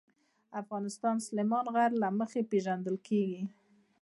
افغانستان د سلیمان غر له مخې پېژندل کېږي.